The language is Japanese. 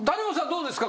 どうですか？